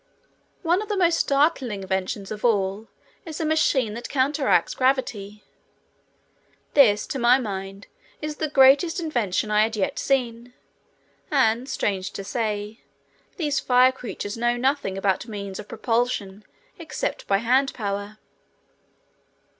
One of the most startling inventions of all is a machine that counteracts gravity. This, to my mind, is the greatest invention I had yet seen, and, strange to say, these fire creatures know nothing about means of propulsion except by hand power.